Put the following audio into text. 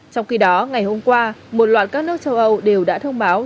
trong khi đó ngày hôm qua một loạt các nước châu âu đều đã thông báo